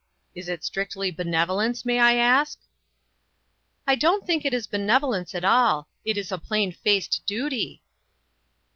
Is it strictly benevolence, may I ask?" " I don't think it is benevolence at all. It is a plain faced duty."